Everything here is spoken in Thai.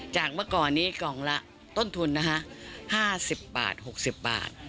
เมื่อก่อนนี้กล่องละต้นทุนนะคะ๕๐บาท๖๐บาท